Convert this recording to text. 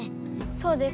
そうです。